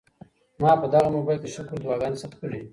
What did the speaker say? ما په دغه موبایل کي د شکر دعاګانې ثبت کړې.